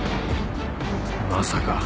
まさか。